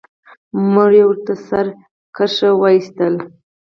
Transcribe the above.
مور يې ورته سره کرښه وايستله.